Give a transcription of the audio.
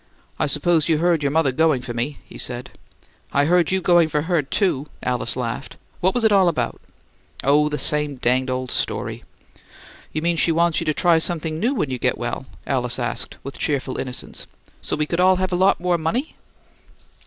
"I suppose you heard your mother going for me," he said. "I heard you going for her, too!" Alice laughed. "What was it all about?" "Oh, the same danged old story!" "You mean she wants you to try something new when you get well?" Alice asked, with cheerful innocence. "So we could all have a lot more money?"